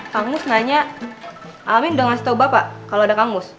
kang mus nanya amin udah ngasih tahu bapak kalau ada kang mus